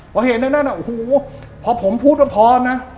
ก็เห็นนั่นนั่นโอ้หูพอผมพูดว่าพอนะ